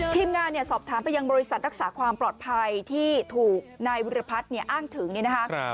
ทีมงานสอบถามไปยังบริษัทรักษาความปลอดภัยที่ถูกนายวิรพัฒน์อ้างถึงเนี่ยนะคะ